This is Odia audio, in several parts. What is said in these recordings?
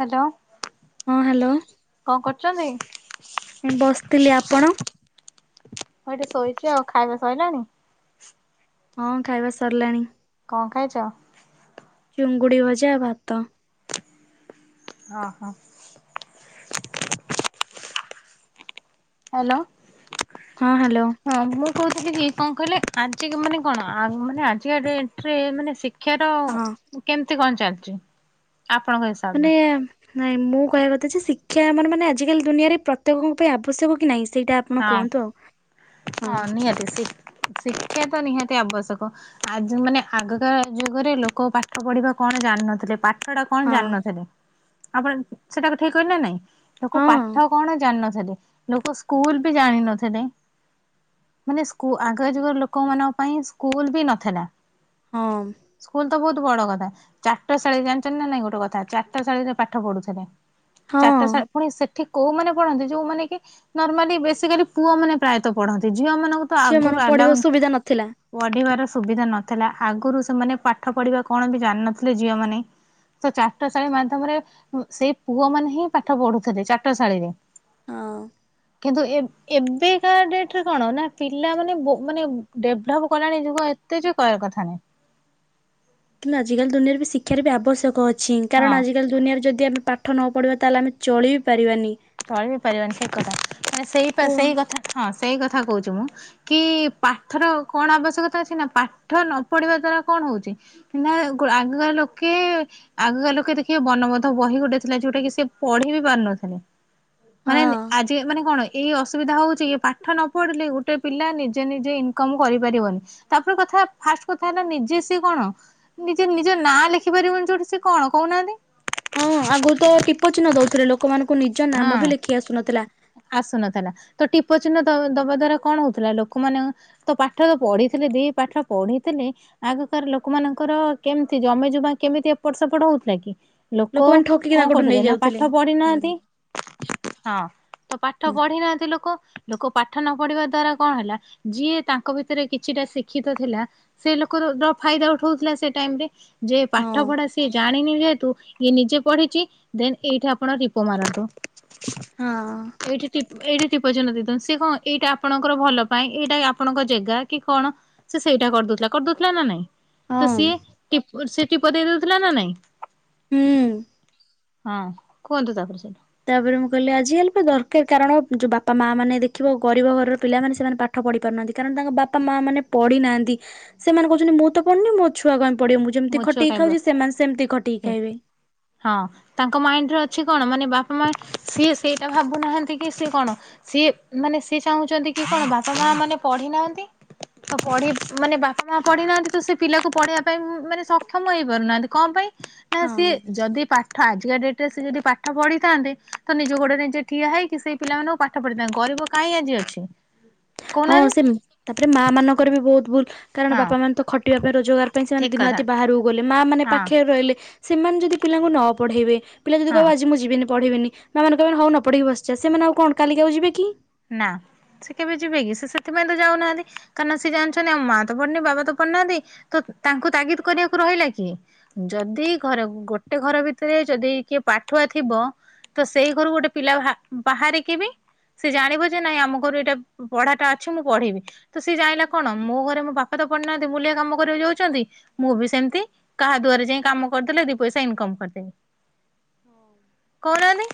ହାଲୋ, ହଁ ହ୍ୟାଲୋ କଁ କରୁଚନ୍ତି? ଏଁ ବସଥିଲି ଆପଣ? ମୁଁ ଏଇଠି ଶୋଇଚି ଆଉ ଖାଇବା ସଇଲାଣି? ହଁ ଖାଇବା ସରଲାଣି। କଁ ଖାଇଚ? ଚୁଙ୍ଗୁଡି ଭଜା, ଭାତ। ଅ ହ। ଆଲ। ହଁ ହାଲୋ। ହଁ ମୁଁ କହୁଥିଲି କି କଁ କହିଲେ ଆଜିକ୍ ମାନେ କଣ ଆଁ ମାନେ ଆଜିକା ଡେଟ୍ ରେ ମାନେ ଶି କ୍ଷାର ହଁ କେମିତି କଣ ଚାଲିଚି ଆପଣଙ୍କ ହିସା ମାନେ ନାଇଁ ମୁଁ କହିଆ କଥା ଯେ ଶିକ୍ଷା ମାନେ ମାନେ ଆଜିକାଲି ଦୁନିଆରେ ପ୍ରତ୍ୟେକଙ୍କ ପାଇଁ ଆବଶ୍ୟକ କି ନାଇଁ ସେଇଟା ଆ [unintelligible] ଣ ହଁ କୁହନ୍ତୁ ଆଉ? ହଁ ନିହାତି ଶି ଶିକ୍ଷା ତ ନିହାତି ଆବଶ୍ୟକ। ଆଜି ମାନେ ଆଗକାଳଆ ଯୁଗରେ ଲୋକ ପାଠ ପଢିବା କଣ ଜାଣ୍ ନଥିଲେ ପା ସେଡ଼ା କଣ ହଁ ଜାଣିନଥିଲେ ଆପଣ ସେଟାକୁ ଠିକ୍ କହିଲି ନା ନାଇଁ? ଲୋକ ହଁ ପାଠ କଣ ଜାନଥିଲେ ଲୋକ ସ୍କୁଲ୍ ବି ଜାଣିିନଥିଲେ। ମାନେ ସ୍କୁ ଆଗୟା ଯୁଗର ଲୋକମାନଙ୍କ ପାଇଁ ସ୍କୁଲ ବି ନଥେଲା। ହଁ ମ୍। ସ୍କୁଲ ତ ବହୁତ୍ ବଡ କଥା ଚାଟଶାଳୀ ଜାଣିଚନ୍ତି ନା ନାଇଁ ଗୋଟେ କଥା ଚାଟଶାଳୀରେ ପାଠ ପଢୁଥେଲେ। ହଁ ଚାଟଶା ପୁଣି ସେଠି କୋଉମାନେ ପଢନ୍ତି ଯୋଉମାନେ କି ନର୍ମାଲି ବେସିକାଲି ପୁଅ ମାନେ। ପ୍ରାଏତ ପଢନ୍ତି ଝିଅ ମାନଙ୍କୁ ତ ଝିଅ ଆଗରୁ ମାନଙ୍କୁ ଆଲାଉ ପଢିବାକୁ ନ ସୁବିଧା ନଥିଲା ପଢିବାର ସୁବିଧା ନଥିଲା ଆଗରୁ ସେମାନେ ପାଠ ପଢିବା କଣ ବି ଜାନଥିଲେ ଝିଅମାନେ। ତ ଚାଟଶାଳୀ ମାଧ୍ୟମରେ ଉୁଁ ସେଇ ପୁଅ ମାନେ ହିଁ ପାଠ ପଢୁଥିଲେ ଚାଟଶାଳୀରେ। ହଁ କିନ୍ତୁ ଏବ୍ ଏବେ [unintelligible] ଡେଟ୍ ରେ କଣ ନା ପିଲା ମାନେ ବୋ ମାନେ ଡେଭଲପ୍ କଲାଣି ଯୁଗ ଏତେ ଯେ କୟା କଥା ନାଇଁ। କିନ୍ତ ଆଜିକାଲି ଦୁନିଆରେ ବି ଶିକ୍ଷାର ବି ଆବଶ୍ୟକ ଅଛି ହଁ କାରଣ ଆଜି [unintelligible] କାଲି ଦୁନିଆରେ ଯଦି ଆମେ ପାଠ ନ ପଢ଼ିବା ତାହେଲେ ଆମେ ଚଳି ବି ପାରିବାନି। ଚଳି ବି ପାରିବାନି ସେ କଥା ମାନେ ସେଇ ପା କୁହ ସେଇ କଥା ହଁ ସେଇ କଥା କହୁଚୁ ମୁଁ କି ପାଠର କଣ ଆବଶ୍ୟକତା ଅଛି ନା ପାଠ ନ ପଢିବା ଦ୍ଵାରା କଣ ହଉଚି? ନା [unintelligible] ଆଗକା [unintelligible] ଲୋକେ ଆଗକାନା ଲୋକେ ଦେଖିବ ବନବୋଧ ବହି ଗୋଟେ ଥିଲା ଯୋଉଟା କି ସେ ପଢି ବି ପାରୁନଥିଲେ। ହଁ ମାନେ ଏମତି ଆଜ କି ମାନେ କଣ ଏଇ ଅସୁବିଧା ହେଉଛି କି ପାଠ ନ ପଢ଼ିଲେ ଗୋଟେ ପିଲା ନିଜେ ନିଜେ ଇନକମ କରିପାରିବନି। ତାପରେ କଥା ଫାଷ୍ଟ କଥା ହେଲା ନିଜେ ସିଏ କଣ ନିଜେ ନିଜ ନାଁ ଲେଖିପାରିବନି ଯୋଉଠି ସେ କଣ କହୁନାହାନ୍ତି। ହଁ ଆଗରୁ ତ ଟିପ ଚିହ୍ନ ଦଉଥିଲେ ଲୋକମାନଙ୍କୁ ନିଜ ନାମ ହଁ ବି ଲେଖି ଆସୁନଥିଲା। ଆସୁନଥିଲା ତ ଟିପ ଚିହ୍ନ ଦ ଦବା ଦ୍ଵାରା କଣ ହଉଥିଲା ଲୋକମାନେ ତ ପାଠ ତ ପଢିଥିଲେ ଦି ପାଠ ପଢିଥିଲେ ଆଗ କାର ଲୋକମାନଙ୍କର କେମିତି ଜମି ଜମା କେମିତି ଏପଟ ସେପଟ ହଉଥିଲା କି ଲୋକ ଲୋକମାନେ ଠକିକି କଣ ତାଙ୍କଠୁ କରୁଥିଲେ ନା ନେଇଯାଉଥିଲେ। ପାଠ ହୁଁ ପଢିନାହାନ୍ତି। ହଁ ତ ପାଠ ହୁଁ। ପଢି ନାହାନ୍ତି ଲୋକ ଲୋକ ପାଠ ନ ପଢିବା ଦ୍ଵାରା କଣ ହେଲା ଯିଏ ତାଙ୍କ ଭିତରେ କିଛିଟା ଶିକ୍ଷିତ ଥିଲା। ସେ ଲୋକର ଯ ଫାଇଦା ଉଠଉଥିଲା ସେ ଟାଇମରେ। ଯେ ହଁ ପାଠ ପଢା ସିଏ ଜାଣିନି ଯେହେତୁ ଇଏ ନିଜେ ପଢିଛି ଦେନ ଏଇଠି ଆପଣ ଟୀପ ମାରନ୍ତୁ। ହଁ ଏଇଠି ଟିପ୍ ଏଇଠି ଟିପଚିହ୍ନ ଦେଇଦିଅନ୍ତୁ ସେ କଣ ଏଇଟା ଆପଣଙ୍କର ଭଲ ପାଇଁ ଏଇଟା ଆପଣଙ୍କ ଜେଗା କି କଣ ସେ ସେଇଟା କରିଦଉଥିଲା କରିଦଉଥିଲା ନା ନାଇଁ। ତ ହଁ ସିଏ ଟି ସେ ଟିପ ଦେଇ ଦଉଥିଲା ନା ନାଇଁ। ହୁଁ। ହଁ କୁହନ୍ତୁ ତାପରେ ସେଇଠୁ। ତାପରେ ମୁଁ କହିଲି ଆଜି କାଲି ପା ଦରକାର କାରଣ ଯୋଉ ବାପା ମା ମାନେ ଦେଖିବ ଗରିବ ଘରର ପିଲାମାନେ ସେମାନେ ପା ଠ ପଢି ପାରୁନାହାନ୍ତି କାରଣ ତାଙ୍କ ବାପା ମା ମାନେ ପଢିନାହାନ୍ତି ସେମାନେ କହୁଛନ୍ତି ମୁଁ ତ ପଢନି ମୋ ଛୁଆ କାଇଁ ପଡ଼ିବ ମୁଁ ମୋ ଯେମିତି ଛୁଆ ଖଟିକି ଖାଉଛି କାଇଁ ସେମାନେ ସେମିତି ଖଟିକି ଖାଇବେ। ହଁ। ତାଙ୍କ ମାଇଣ୍ଡରେ ଅଛି କଣ ମାନେ ବାପା ମା ସିଏ ସେଇଟା ଭାବୁନାହାନ୍ତି କି ସିଏ କଣ ସିଏ ମାନେ ସିଏ ଚାହୁଁଛନ୍ତି କି କଣ ବାପା ମା ମାନେ ପଢି ନାହାନ୍ତି ତ ପଢି ମାନେ ବାପା ମା ପଢି ନାହାନ୍ତି ତ ସେ ପିଲାକୁ ପଢେଇବା ପାଇଁ ଉଁ ମାନେ ସକ୍ଷମ ହେଇପାରୁନାହାନ୍ତି କଂପାଇଁ ନା ହଁ। ସିଏ ଯଦି ପା ଠ ଆଜିକା ଡେଟ ରେ ସେ ଯଦି ପାଠ ପଢିଥାନ୍ତେ ତ ନିଜ ଗୋଡରେ ନିଜେ ଠିଆ ହେଇକି ସେଇ ପିଲାମାନଙ୍କୁ ପା ଠ ପଢିଥାନ୍ତେ ଗରିବ କାଇଁ ଆଜି ଅଛି ହଁ କହୁନାହାନ୍ତି ସେ ତାପରେ ମା ମାନଙ୍କର ବି ବହୁତ ଭୁଲ କାରଣ ହଁ ବାପା ମାନେ ତ ଖଟିବା ପାଇଁ ରୋଜଗାର ପାଇଁ ସେମାନେ ଠିକ ଦିନ କଥା ରାତି ବାହାରକୁ ଗଲେ ମା ମାନେ ହଁ ପାଖରେ ରହିଲେ ସେମାନେ ଯଦି ପିଲାଙ୍କୁ ନ ପଢେଇବେ ପିଲା ଯଦି ହଁ। କହିବ ଆଜି ମୁଁ ଯିବିନି ପଢ଼ିବିନି ମା ମାନେ କହିବେ ହଉ ନ ପଢିକି ବସିଜା ସେମାନେ ଆଉ କଣ କାଲିକି ଆଉ ଯିବେ କି। ନା ସେ କେବେ ଯିବେ କିି ସେ ସେଥିପାଇଁ ତ ଯାଉନାହାନ୍ତି। କାରଣ ସେ ଜାଣିଚନ୍ତି ଆମ ମା ତ ପଢୁନି ବାବା ତ ପଢୁନାହାନ୍ତି ତ ତାଙ୍କୁ ତାଗିଦି କରିବାକୁ ରହିଲା କିଏ। ଯଦି ଘର ଗୋଟେ ଘର ଭିତରେ ଯଦି କିଏ ପାଠୁଆ ଥିବ। ତ ସେଇ ଘରୁ ଗୋଟେ ପିଲା ବା ବାହାରିକ ବି ସେ ଜାଣିବ ଯେ ନାଇଁ ଆମ ଘରୁ ଏଇଟା ପଢାଟା ଅଛି ମୁଁ ପଢିବି। ତ ସିଏ ଜାଣିଲା କଣ ମୋ ଘରେ ମୋ ବାପା ତ ପଢିନାହାନ୍ତି ମୁଲିଆ କାମ କରିବାକୁ ଯାଉଛନ୍ତି ମୁଁ ବି ସେମିତି କାହା ଦୁଆରେ ଯାଇ କାମ କରିଦେଲେ ଦି ପଇସା ଇନିକମ କରିଦେବି। କଉନାଆନ୍ତି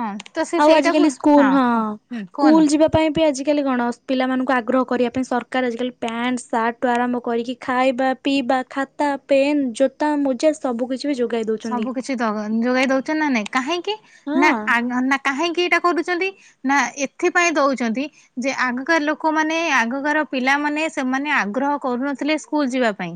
ହଁ ତ ସେ ସେଇଟାକୁ କୁଲୁ ହଁ କୁହ ହୁଁ କୁହନ୍ତୁ। କୁଲୁ ଯି ବା ପାଇଁ ବି ଆଜିକାଲି କଣ ପିଲାମାନଙ୍କୁ ଆଗ୍ରହ କରିବା ପାଇଁ ସରକାର ଆଜିକାଲି ପ୍ୟାଣ୍ଟ ସାର୍ଟୁ ଆରମ୍ଭ କରିକି ଖାଇବା ପିଇବା ଖାତା ପେନ୍ ଜୋତା ମୋଜା ସବୁକିଛି ବି ଯୋଗାଇ ଦେଉଛନ୍ତି। ଛିତ ଯୋଗେଇ ଦଉଛନ୍ତି ନା ନାଇଁ କାହିଁକି ହଁ ନା ଆ ନ ନା କାହିଁକି ଏଇଟା କରୁଛନ୍ତି ନା ଏଥିପାଇଁ ଦଉଛନ୍ତି। ଯେ ଆଗକାର ଲୋକମାନେ ଆଗକାର ପିଲାମାନେ ସେମାନେ ଆଗ୍ରହ କରୁନଥିଲେ ସ୍କୁଲ ଯିବା ପାଇଁ।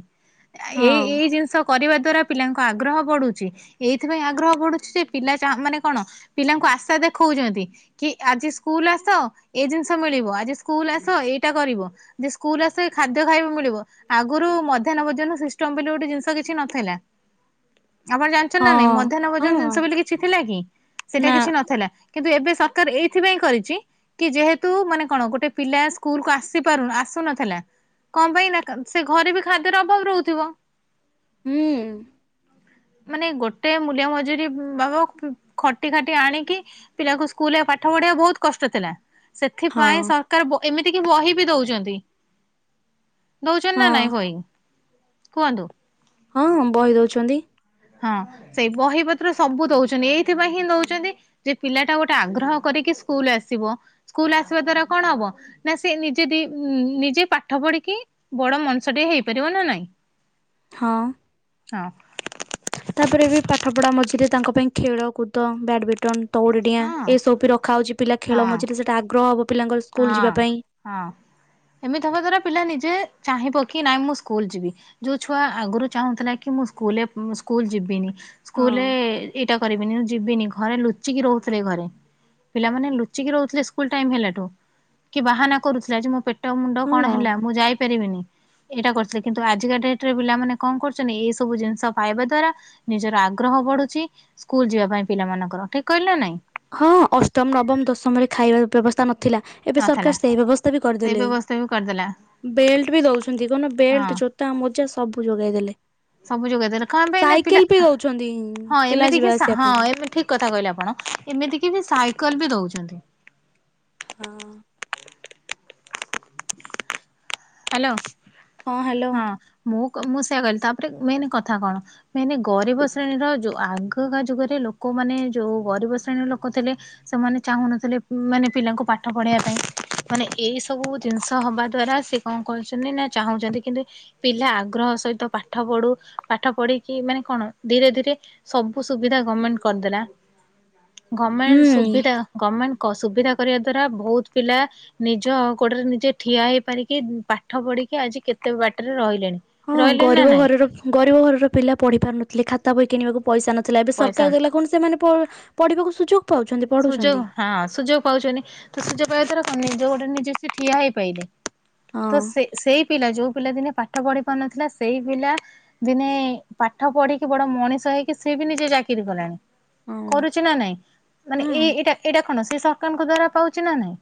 ହଁ ଏଇ ଏଇ ଜିନିଷ କରିବା ଦ୍ଵାରା ପିଲାଙ୍କ ଆଗ ଗ୍ରହ ବଢୁଛି ଏଇଥିପାଇଁ ଆଗ୍ରହ ବଢୁଛି ଯେ ପିଲା ଚା ମାନେ କଣ ପିଲାଙ୍କୁ ଆଶା ଦେଖଉଛନ୍ତି। କି ଆଜି ସ୍କୁଲ ଆସ ଏ ଜିନିଷ ମିଳିବ ଆଜି ସ୍କୁଲ ଆସ ଏଇଟା କରିବ। ଯେ ସ୍କୁଲ ଆସ ଏଇ ଖାଦ୍ୟ ଖାଇବାକୁ ମିଳିବ। ଆଗରୁ ମଧ୍ୟାହ୍ନ ଭୋଜନ ସିଷ୍ଟମ ବୋଲି ଗୋଟେ ଜିନିଷ କିଛି ନଥିଲା। ଆପଣ ଜାଣିଛନ୍ତି ନା ନାଇଁ ହଁ ମଧ୍ୟାହ୍ନ ଭୋଜନ ହଁ ଜିନିଷ ବୋଲି କିଛି ଥିଲା କି ସେଇଟା ନା କିଛି ନଥିଲା। କିନ୍ତୁ ଏବେ ସରକାର ଏଇଥିପାଇଁ କରିଛି। କି ଯେହେତୁ ମାନେ କଣ ଗୋଟେ ପିଲା ସ୍କୁଲ କୁ ଆସି ପାରୁ ଆସୁନଥିଲା। କଣ ପାଇଁ ନା ସେ ଘରେ ବି ଖାଦ୍ୟର ଅଭାବ ରହୁଥିବ। ହୁଁ। ମାନେ ଗୋଟେ ମୂଲ୍ୟ ମଜୁୁରୀ ବାବ ଖଟି ଖଟି ଆଣିକି ପିଲାଙ୍କୁ ସ୍କୁଲ ରେ ପାଠ ପଢିବା ବହୁତ କଷ୍ଟ ଥିଲା। ସେଥିପାଇଁ ହଁ ସରକାର ବ ଏମିତି କି ବହି ବି ଦଉଛନ୍ତି। ଦଉଛନ୍ତି ନା ହଁ ନାଇଁ ବହି କୁହନ୍ତୁ। ହଁ ବହି ଦଉଛନ୍ତି। ହଁ ସେଇ ବହି ପତ୍ର ସବୁ ଦଉଛନ୍ତି ଏଇଥିପାଇଁ ହିଁ ନଉଛନ୍ତି ଯେ ପିଲା ଟା ଗୋଟେ ଆଗ୍ରହ କରିକି ସ୍କୁଲ ଆସିବ ସ୍କୁଲ ଆସିବା ଦ୍ଵାରା କଣ ହବ। ନା ସେ ନିଜେ ଵି ଉଁ ନିଜେ ପାଠ ପଢିକି। ବଡ ମନିଷ ଟିଏ ହେଇପାରିବ ନା ନାଇଁ। ହଁ। ହଁ। ତାପରେ ବି ପାଠପଢ଼ା ମଝିରେ ତାଙ୍କ ପାଇଁ ଖେଳକୁଦ ବ୍ୟାଡମିଣ୍ଟନ। ତଉଡିଡିଆ ହଁ ଏସବୁ ବି ରଖାହଉଛି ପିଲା ଖେଳ ହଁ ମଝିରେ ସେଇଟା ଆଗ୍ରହ ହବ ପିଲାଙ୍କର ସ୍କୁଲ ହଁ ଯିବା ପାଇଁ ହଁ ଏମିତି ହବା ଦ୍ଵାରା ପିଲା ନିଜେ ଚାହିଁ ବକି ନାଇଁ ମୁଁ ସ୍କୁଲ ଯିବି। ଯୋଉ ଛୁଆ ଆଗରୁ ଚାହୁଁଥିଲା କି ମୁଁ ସ୍କୁଲରେ ସ୍କୁଲ ଯିବିନି। ସ୍କୁଲରେ ହଁ ଏଇଟା କରିବିନି ଯିବିନି ଘରେ ଲୁଚୁ ଲୁଚିକି ରହୁଥିଲେ ଘରେ ପିଲାମାନେ ଲୁଚିକି ରହୁଥିଲେ ସ୍କୁଲ ଟାଇମ ହେଲାଠୁ। କି ବାହାନା କରୁଥିଲା ଯେ ମୋ ପେଟ ମୁଣ୍ଡ କଣ ହଁ ହେଲା ମୁଁ ଯାଇପାରିବିନି। ଏଇଟା କରିଥିଲେ କିନ୍ତୁ ଆଜିକା ଡେଟରେ ପିଲାମାନେ କଣ କରୁଛନ୍ତି ଏ ସବୁ ଜିନିଷ ପାଇବା ଦ୍ୱାରା ନିଜର ଆଗ୍ରହ ବଢୁଛି ସ୍କୁଲ ଯିବା ପାଇଁ ପିଲା ପିଲାମାନଙ୍କର ଠିକ କହିଲି ନା ନାଇଁ। ହଁ ଅଷ୍ଟମ ନବମ ଦଶମରେ ଖାଇବାର ବ୍ୟବସ୍ଥା ନଥିଲା। ଏବେ ନଥିଲା ସରକାର ସେଇ ବ୍ୟବସ୍ଥା ବି ସେଇ କରିଦେଲେ ବ୍ୟବସ୍ଥା ବି କରିଦେଲା ବେଲ୍ଟ ବି ଦଉଛନ୍ତି କଣ ହଁ ବେଲ୍ଟ ଜୋ ଜୋତା ମୋଜା ସବୁ ଯୋଗାଇ ଦେଲେ। ସବୁ ଯୋଗାଇ ଦେଲେ କଣ ପାଇଁ ନା ପିଲା ସାଇକେଲ ବି ଦଉଛନ୍ତି ହଁ ପିଲା ଏମିତି ଯିବା ସା ଆସିବା ହଁ ପାଇଁ ଏମିତି ଠିକ କଥା କହିଲେ ଆପଣ ଏମିତିକି ବି ସାଇକେଲ ବି ଦଉଛନ୍ତି। ହଁ। ହ୍ୟାଲୋ ହଁ ମୁଁ କ ମୁଁ ସେଇଆ କହିଲି ତାପରେ ମେନ କଥା କଣ ନାଇଁ ନାଇଁ ଗରିବ ଶ୍ରେଣୀର ଯୋଉ ଆଗକା ଯୁଗରେ ଲୋକମାନେ ଯୋଉ ଗରିବ ଶ୍ରେଣୀର ଲୋକ ଥିଲେ। ସେମାନେ ଚାହୁଁନଥିଲେ ମାନେ ପିଲାଙ୍କୁ ପାଠ ପଢେଇବା ପାଇଁ ମାନେ ଏଇ ସବୁ ଜିନିଷ ହବା ଦ୍ଵାରା ସେ କଣ କହିଛନ୍ତି ନା ଚାହୁଁଛନ୍ତି କିନ୍ତୁ ପିଲା ଆଗ୍ରହ ସହିତ ପାଠ ପଢୁ ପାଠ ପଢିକି ମାନେ କଣ ଧୀରେ ଧୀରେ ସବୁ ସୁବିଧା ଗମେଣ୍ଟ କରିଦେଲା ଗମେଣ୍ଟ ହୁଁ। ସୁବିଧା ଗମେଣ୍ଟ କ ସୁବିଧା କରିବା ଦ୍ଵାରା ବହୁତ ପିଲା ନିଜ ଗୋଡରେ ନିଜେ ଠିଆ ହେଇପାରିକି କିଏ ପାଠ ପଢିକି ଆଜି କେତେ ବାଟରେ ରହିଲେଣି। ହଁ ରହିଲେଣି ନା ଗରିବ ନାଇଁ ଘରର ଗରିବ ଘରର ପିଲା ପଢି ପାରୁନଥିଲେ ଖାତା ବହି କିଣିବାକୁ ପଇସା ନଥିଲା ଏବେ ପଇସା ସରକାର ଦେଲା କଣ ସେମାନେ ପ-ପଢିବାକୁ ସୁଯୋଗ ପାଉଛନ୍ତି। ପଢ଼ୁଛନ୍ତି ସୁଯୋଗ ହଁ ସୁଯୋଗ ପାଉଛନ୍ତି ତ ସୁଯୋଗ ପାଇବା ଦ୍ୱାରା କ ନିଜ ଗୋଟେ ନିଜେ ସେ ଠିଆ ହେଇ ପାଇଲେ। ତ ହଁ ସେ ସେଇ ପିଲା ଯୋଉ ପିଲା ଦିନେ ପାଠ ପଢି ପାରୁନଥିଲା ସେଇ ପିଲା ଦିନେ ପାଠ ପଢିକି ବଡ ମଣିଷ ହେଇକି ସିଏ ବି ନିଜେ ଚାକିରି କଲାଣି। ହଁ କରୁଛି ନା ନାଇଁ? ମାନେ ହଁ ଏଇ ଏଇଟା ଏଇଟା କଣ ସେ ସରକାରଙ୍କ ଦ୍ଵାରା ପାଉଛି ନା ନାଇଁ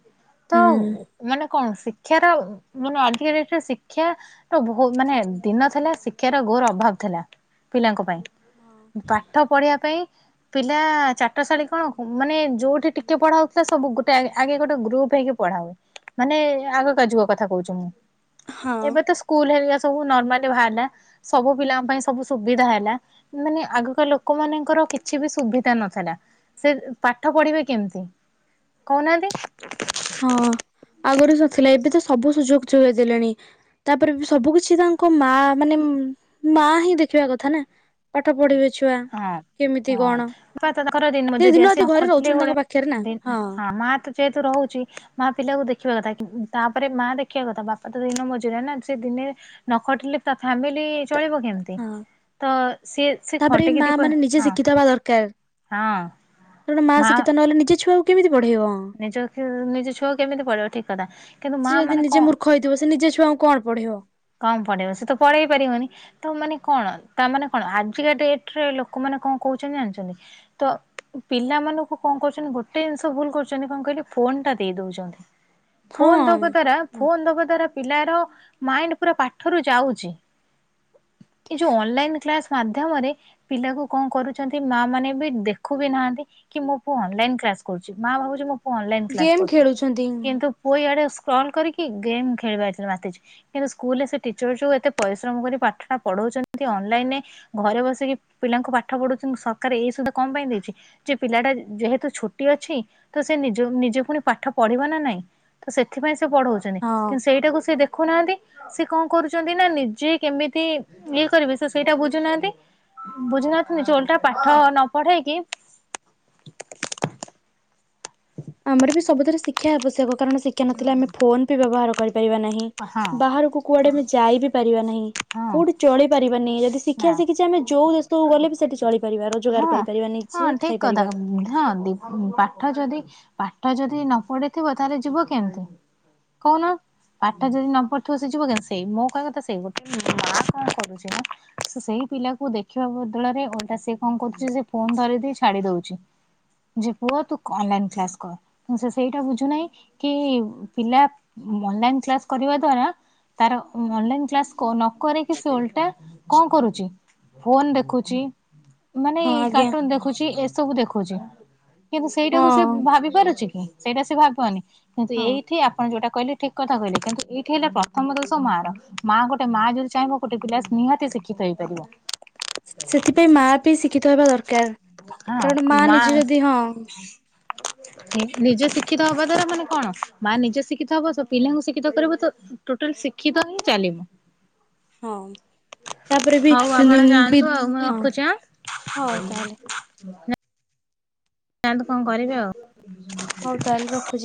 ତ ହୁଁ। ମାନେ କଣ ଶିକ୍ଷାର ମାନେ ଆଜିକା ଡେଟରେ ଶିକ୍ଷା ତ ବହୁ ମାନେ ଦିନ ଥିଲା ଶିକ୍ଷାର ଘୋର ଅଭାବ ଥିଲା ପିଲାଙ୍କ ପାଇଁ। ପାଠ ପଢିବା ପାଇଁ ପିଲା ଚାଟଶାଳୀ କଣ ମାନେ ଯୋଉଠି ଟିକେ ପଢା ହଉଥିଲା ସବୁ ଗୋଟେ ଆଗେ ଗୋଟ ଗ୍ରୁପ୍ ହେଇକି ପଢା ହୁଏ ମାନେ ଆଗ କା ଯୁଗ କଥା କହୁଛ ମୁଁ ହଁ। ଏବେ ସ୍କୁଲ ହେରିକା ସବୁ ନର୍ମାଲ ବାହାରିଲା ସବୁ ପିଲାଙ୍କ ପାଇଁ ସବୁ ସୁବିଧା ହେଲା ମାନେ ଆଗକା ଲୋକ ମାନଙ୍କର କିଛି ବି ସୁବିଧା ନଥିଲା ସେ ପାଠ ପଢିବେ କେମିତି କହୁନାହାନ୍ତି ହଁ ଆଗରୁ ସବୁଥିଲା ଏବେ ତ ସବୁ ସୁଯୋଗ ଯୋଗେଇ ଦେଲେଣି ତାପରେ ବି ସବୁ କିଛି ତାଙ୍କ ମା ମାନେ ମା ହିଁ ଦେଖିବା କଥା ନା ପାଠ ପଢିବେ ଛୁଆ ହଁ। କେମିତି ହଁ କଣ? [unintelligible] ସେ ଦିନ ରାତି ଘରେ ରହୁଛନ୍ତି ତାଙ୍କ ପାଖରେ ନା ହଁ ଯେହେତୁ ରହୁଛି [unintelligible] ମା ପିଲାକୁ ଦେଖିବା କଥା ତାପରେ ମା ଦେଖିବା କଥା ବାପା ତ ଦିନ ମଜୁର ନା ସେ ଦିନେ ନ ଖଟିଲେ ତା ଫ୍ୟାମିଲି ଚଳିବ କେମତି ହଁ ତ ସିଏ ସେ ତାପରେ ଖଟିକି ମା ଦି ପଇ ମାନେ ନିଜେ ହଁ ଶିଖିତ ହେବେ ଦରକାର ହଁ ଯୋଉଠି ମା ଶିକ୍ଷିତ ନହେଲେ ନିଜ ଛୁଆକୁ କେମିତି ପଢେଇବ ନିଜ ନିଜ ଛୁଆ କେମିତି ପଢ଼େଇବ ଠିକ କଥା କିନ୍ତୁ ମା ମାନେ କଣ ଥିବ ସେ ନିଜ ଛୁଆଙ୍କୁ କଣ ପଢେଇବ? କଣ ପଢେଇବ ସେ ତ ପଢେଇ ପାରିବନି ତ ମାନେ କଣ ତା ମାନେ କଣ ତା ମାନେ କଣ ଆଜିକା ଡେଟ ରେ ଲୋକମାନେ କଣ କହୁଛନ୍ତି ଜାଣିଛନ୍ତି ତ ପିଲାମାନଙ୍କୁ କଣ କରୁଛନ୍ତି ଗୋଟେ ଜିନିଷ ଭୁଲ କରୁଛନ୍ତି କଣ କହିଲେ ଫୋନ ଟା ଦେଇ ଦଉଛନ୍ତି ଫୋନ ଦବା ଦ୍ଵାରା ହଁ ଫୋନ ଦବା ଦ୍ଵାରା ପିଲାର ମାଇଣ୍ଡ ପୁରା ପାଠରୁ ଯାଉଛି ଏ ଯୋଉ ଅନଲାଇନ କ୍ଲାସ ମାଧ୍ୟମରେ ପିଲାକୁ କଣ କରୁଛନ୍ତି ମା ମାନେ ବି ଦେଖୁ ବି ନାହାନ୍ତି କି ମୋ ପୁ ଅନଲାଇନ କ୍ଲାସ କରୁଛି ମା ଭାବୁଛି ମୋ ପୁଅ ଅନଲାଇ କ୍ଲାସ ଗେମ୍ କରୁଛି ଖେଳୁଛନ୍ତି କିନ୍ତୁ ପୁଅ ଇଆଡ଼େ ସ୍କ୍ରୋଲ କରିକି ଗେମ୍ ଖେଳିବାରେ ମାତିଛି କିନ୍ତୁ ସ୍କୁଲରେ ସେ ଟିଚର ଯେଉଁ ଏତେ ପରିଶ୍ରମ କରି ପାଠଟା ପଢ଼ାଉଛନ୍ତି ଅନଲାଇନ ରେ ଘରେ ବସିକି ପିଲାଙ୍କୁ ପାଠ ପଢଉଛନ୍ତି ସରକାର ଏଇ ସୁବଧା କଣ ପାଇଁ ଦେଇଛନ୍ତି ଯେ ପିଲା ଟା ଯେହେତୁ ଛୁଟି ଅଛି ତ ସେ ନିଜ ନିଜେ ପୁଣି ପାଠ ପଢିବ ନା ନାଇଁ ତ ସେଥିପାଇଁ ସେ ପଢଉଛନ୍ତି ହଁ କିନ୍ତୁ ସେଇଟାକୁ ସେ ଦେଖୁନାହାନ୍ତି ସେ କଣ କରୁଛନ୍ତି ନା ନିଜେ କେମିତି ଇଏ କରିବେ ସେ ସେଇଟା ବୁଝୁନାହାନ୍ତି ବୁଝିିନାହାନ୍ତି ନିଜେ ଓଲଟା ପାଠ ନ ପଢେଇକି- [inaudible] ଆମର ବି ସବୁଥିରେ ଶିକ୍ଷା ଆବଶ୍ୟକ କାରଣ ଶିକ୍ଷା ନଥିଲେ ଆମେ ଫୋନ ବି ବ୍ୟବହାର କରିପାରିବା ନାହିଁ ହଁ ବାହାରକୁ କୁଆଡେ ଆମେ ଯାଇ ବିି ପାରିବା ନାହିଁ ହଁ କୋଉଠି ଚଳି ପାରିବାନି ଯଦି- ନା ଶିକ୍ଷା ଶିଖିଛେ ଆମେ ଯେଉଁ ଦେଶକୁ ଗଲେ ବି ସେଠି ଚଳିପାରିବା ହଁ ରୋଜଗାର କରିପାରିବା ହଁ ନିଜେ ଠିକ ଖାଇପାରିବା କଥା ହଁ ଦୀପ ପାଠ ଯଦି ପାଠ ଯଦି ନ ପଢିଥିବ ତାହେଲେ ଯିବ କେମତି? କହୁନ ପାଠ ଯଦି ନ ପଢ଼ି ଯିବ କେମିତି ମୋ କହିବା କଥା ସେଇ ଗୋଟେ ମା କଣ କରୁଛି ସେଇ ପିଲାକୁ ଦେଖିବା ବଦଳରେ ଓଲଟା ସେ କଣ କରୁଛି ସେ ଫୋନ ଧରି ଦେଇ ଛାଡି ଦଉଛି ଯେ ପୁଅ ତୁ ଅନଲାଇନ କ୍ଲାସ କର କି ସେ ସେଇଟା ବୁଝୁନାହିଁ କି ପିଲା- ଅନଲାଇନ୍ କ୍ଲାସ୍ କରିବା ଦ୍ଵାରା ତାର ଅନଲାଇନ୍ କ୍ଲାସ ନକରିକି ସେ ଓଲଟା କଣ କରୁଛି ଫୋନ ଦେଖୁଛି ମାନେ ହଁ ଏଇ ଆଜ୍ଞା କାର୍ଟୁନ ଦେଖୁଛି ଏସବୁ ଦେଖୁଛି କିନ୍ତୁ ସେଇଟାକୁ ସେ ହଁ ଭାବି ପାରୁଛି କି ସେଇଟା ସେ ଭାବିବନି କିନ୍ତୁ ହଁ ଏଇଠି ଆପଣ ଯୋଉଟା କହିଲେ ଠିକ କଥା କହିଲେ କିନ୍ତୁ ଏଇଠି ହେଲା ପ୍ରଥମ ଦୋଷ ମାଆର ମା ଗୋଟେ ମା ଯଦି ଚାହିଁବ ଗୋଟେ ପିଲା ନିହାତିି- ସେ ଶିକ୍ଷିତ ହେଇପାରିବ ସେଥିପାଇଁ ମା ବି ଶିକ୍ଷିତ ହେବା ଦରକାର କାରଣ ମା ନିଜେ ଯଦି ହଁ- [unintelligible] ନିଜେ ଶିକ୍ଷିତ ହବା ଦ୍ଵାରା ମାନେ କଣ ମା ନିଜେ ଶିକ୍ଷିତ ହବ ପିଲାଙ୍କୁ ଶିକ୍ଷିତ କରିବ ତ ଟୋଟାଲ ଶିକ୍ଷିତ ହିଁ ଚାଲିବ ହଁ- ତାପରେ ବି- ହଉ ଆପଣ ବି ଯାଆନ୍ତୁ ଆଉ ମୁଁ -ହଁ ରଖୁଛି ଆଁ -ହଉ ତାହେଲେ। ଯାଆନ୍ତୁ କଣ କରିବେ ଆଉ। ହଉ ତାହେଲେ ରଖ୍